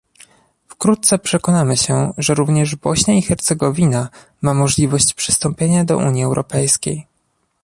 Wkrótce przekonamy się, że również Bośnia i Hercegowina ma możliwość przystąpienia do Unii Europejskiej